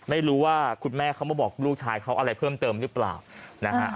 ไม่รู้ว่าคุณแม่เขามาบอกลูกชายเขาอะไรเพิ่มเติมหรือเปล่านะฮะ